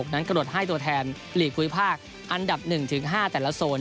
กระโดดให้ตัวแทนหลีกภูมิภาคอันดับ๑๕แต่ละโซน